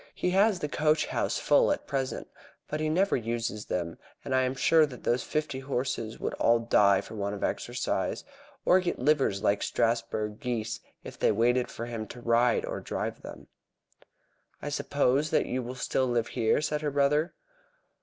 He has the coach house full at present, but he never uses them, and I am sure that those fifty horses would all die for want of exercise, or get livers like Strasburg geese, if they waited for him to ride or drive them." "I suppose that you will still live here?" said her brother.